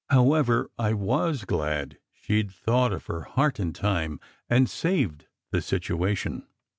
However, I was glad she d thought of her heart in time, and saved the situation.